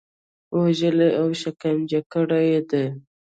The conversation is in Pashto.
وژلي او شکنجه کړي دي.